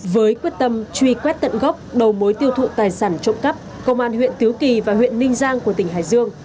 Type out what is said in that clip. với quyết tâm truy quét tận gốc đầu mối tiêu thụ tài sản trộm cắp công an huyện tứ kỳ và huyện ninh giang của tỉnh hải dương